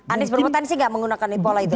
anies berpotensi nggak menggunakan pola itu